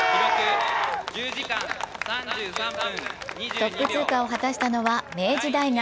トップ通過を果たしたのは明治大学。